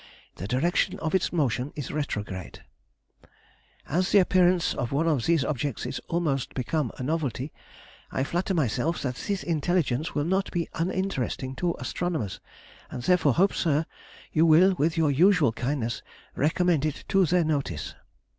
The direction of its motion is retrograde. As the appearance of one of these objects is almost become a novelty, I flatter myself that this intelligence will not be uninteresting to astronomers, and therefore hope, sir, you will, with your usual kindness, recommend it to their notice.